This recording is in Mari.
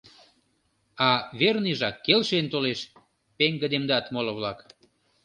— А верныйжак келшен толеш, — пеҥгыдемдат моло-влак.